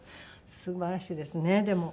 素晴らしいですねでも。